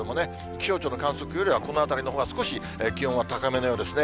気象庁の観測よりは、この辺りのほうが少し気温は高めのようですね。